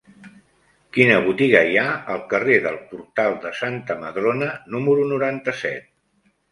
Quina botiga hi ha al carrer del Portal de Santa Madrona número noranta-set?